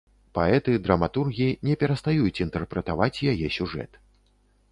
Паэты, драматургі не перастаюць інтэрпрэтаваць яе сюжэт.